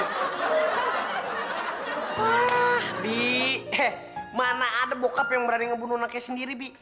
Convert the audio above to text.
wah di mana ada bokap yang berani ngebunuh anaknya sendiri bi